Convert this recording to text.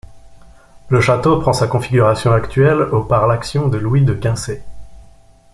Le château prend sa configuration actuelle au par l'action de Louis de Quincé.